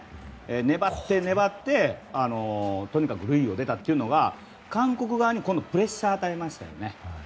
粘って、粘ってとにかく塁に出たのが今度は韓国側にプレッシャーを与えましたよね。